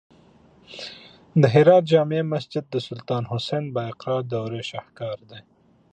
د هرات د جمعې مسجد د سلطان حسین بایقرا دورې شاهکار دی